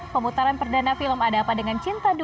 pemutaran perdana film ada apa dengan cinta dua